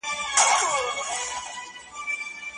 تاسي ولي د جنګونو په اور کي سوځئ؟